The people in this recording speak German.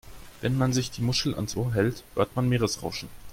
Wenn man sich die Muschel ans Ohr hält, hört man Meeresrauschen.